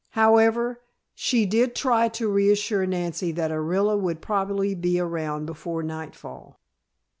However, she did try to reassure Nancy that Orilla would probably be around before nightfall.